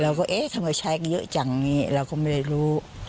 เราก็เอ๊ะทำไมใช้เยอะจังนี้เราก็ไม่รู้